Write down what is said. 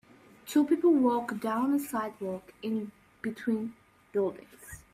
Two people walk down a sidewalk in between buildings.